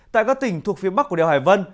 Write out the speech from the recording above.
tại các tỉnh thuộc phía bắc của đèo hải vân